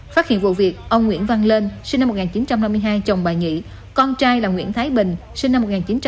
phát hiện vụ việc ông nguyễn văn lên sinh năm một nghìn chín trăm năm mươi hai chồng bà nhị con trai là nguyễn thái bình sinh năm một nghìn chín trăm tám mươi